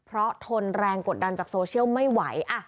เพราะทนแรงกดดันจากโซเชียลไม่ไหว